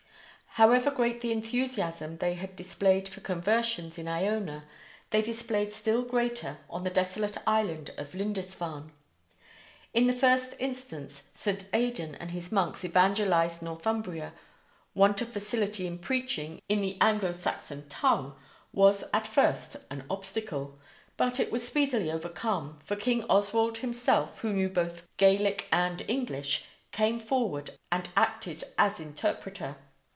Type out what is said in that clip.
However great the enthusiasm they had displayed for conversions in Iona, they displayed still greater on the desolate isle of Lindisfarne. In the first instance St. Aidan and his monks evangelized Northumbria. Want of facility in preaching in the Anglo Saxon tongue was at first an obstacle, but it was speedily overcome, for king Oswald himself, who knew both Gaelic and English, came forward and acted as interpreter.